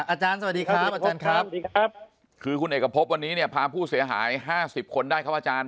อาจารย์สวัสดีครับคุณเอกพบวันนี้พาผู้เสียหาย๕๐คนได้ครับอาจารย์